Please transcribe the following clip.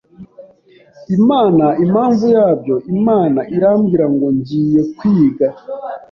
Imana impamvu yabyo Imana irambwira ngo ngiye kwiga